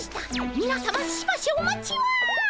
みなさましばしお待ちを。